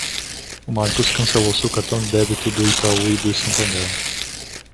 O Marcos cancelou seu cartão de débito do Itaú e do Santander.